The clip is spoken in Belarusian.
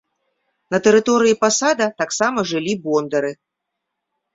На тэрыторыі пасада таксама жылі бондары.